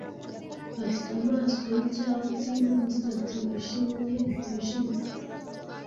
Afite amaso yicyatsi n umusatsi wijimye wijimye.